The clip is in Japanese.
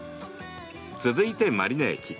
続いて、マリネ液。